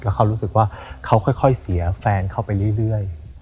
เขารู้สึกว่าเขาค่อยเสียแฟนเข้าไปเรื่อย